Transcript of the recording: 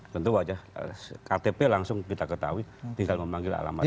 tentu wajah ktp langsung kita ketahui tinggal memanggil alamatnya